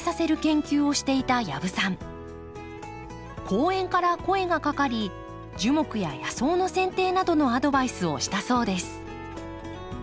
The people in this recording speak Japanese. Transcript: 公園から声がかかり樹木や野草のせん定などのアドバイスをしたそうです。